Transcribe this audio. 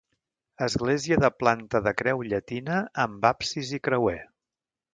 Església de planta de creu llatina amb absis i creuer.